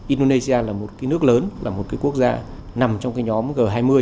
indonesia là một nước lớn là một quốc gia nằm trong nhóm g hai mươi